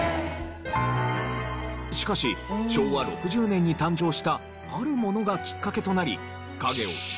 しかし昭和６０年に誕生したあるものがきっかけとなり。